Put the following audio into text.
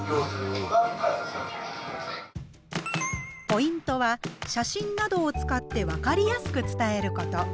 ポイントは写真などを使ってわかりやすく伝えること。